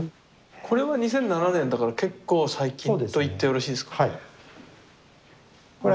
これは２００７年だから結構最近と言ってよろしいですか？